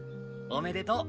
おめでとう